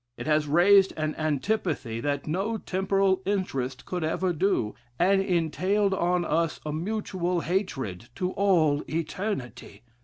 It has raised an antipathy, that no temporal interest could ever do, and entailed on us a mutual hatred to all eternity.